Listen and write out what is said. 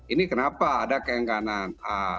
ini kenapa ada keengganan